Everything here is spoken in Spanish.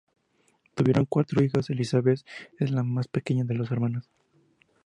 Tuvieron cuatro hijos, Elizabeth es la más pequeña de los hermanos.